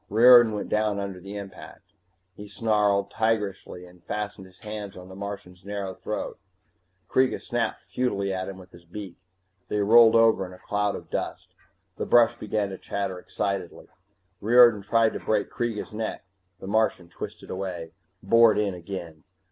Riordan went down under the impact. He snarled, tigerishly, and fastened his hands on the Martian's narrow throat. Kreega snapped futilely at him with his beak. They rolled over in a cloud of dust. The brush began to chatter excitedly. Riordan tried to break Kreega's neck the Martian twisted away, bored in again.